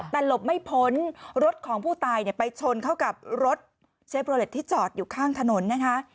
แต่หลบไม่พ้นรถของผู้ตายเนี่ยไปชนเข้ากับรถเชฟโรเล็ตที่จอดอยู่ข้างถนนนะคะ